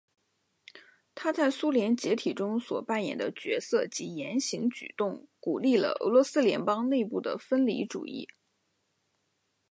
他在苏联解体中所扮演的角色及言行举动鼓励了俄罗斯联邦内部的分离主义。